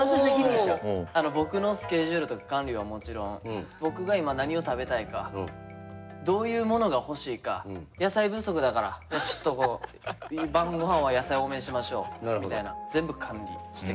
僕のスケジュールとか管理はもちろん僕が今何を食べたいかどういうものが欲しいか野菜不足だからちょっとこう晩ごはんは野菜多めにしましょうみたいな全部管理してくれます。